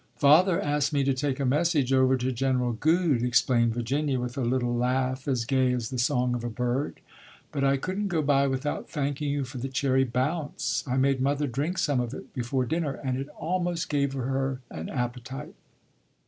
"Father asked me to take a message over to General Goode," explained Virginia, with a little laugh as gay as the song of a bird, "but I couldn't go by without thanking you for the cherry bounce. I made mother drink some of it before dinner, and it almost gave her an appetite."